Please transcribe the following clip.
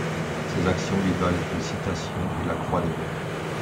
Ses actions lui valent une citation et la Croix de guerre.